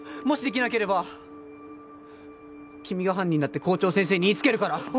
もしできなければ君が犯人だって校長先生に言いつけるから！